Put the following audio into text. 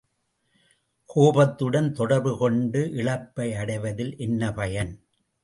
கோபத்துடன் தொடர்பு கொண்டு இழப்பை அடைவதில் என்ன பயன்?